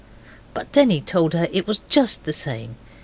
But Denny told her it was just the same.